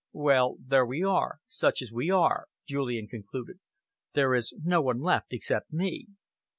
"Well, there we are such as we are," Julian concluded. "There is no one left except me."